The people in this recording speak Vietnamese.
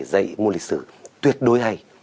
dạy môn lịch sử tuyệt đối hay